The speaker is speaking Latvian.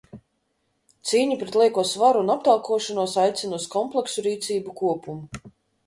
Cīņa pret lieko svaru un aptaukošanos aicina uz kompleksu rīcību kopumu.